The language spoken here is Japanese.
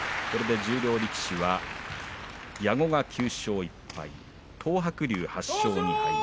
これで十両力士は矢後が９勝１敗東白龍、８勝２敗。